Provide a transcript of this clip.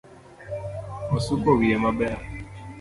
Osuko wiye maber